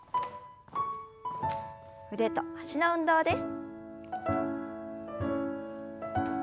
腕と脚の運動です。